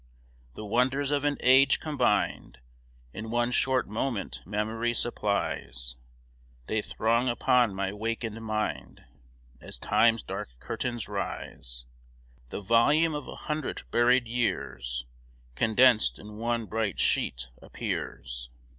The wonders of an age combined In one short moment memory supplies; They throng upon my wakened mind, As time's dark curtains rise. The volume of a hundred buried years, Condensed in one bright sheet, appears.